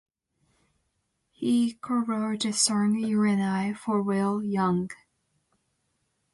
He co-wrote the song "You and I" for Will Young.